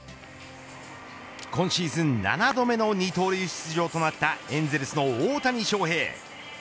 今シーズン７度目の二刀流出場となったエンゼルス、大谷翔平。